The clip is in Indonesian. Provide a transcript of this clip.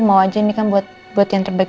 mau aja ini kan buat yang terbaik